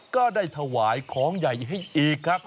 ก็ได้ถวายของใหญ่ให้อีกครับ